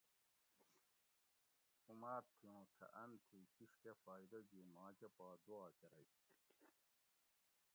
اُماد تھی اوں تھہ ان تھی کشکہ فایٔدہ گی ما کہ پا دُعا کرئ